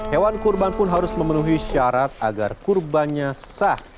hewan kurban pun harus memenuhi syarat agar kurbannya sah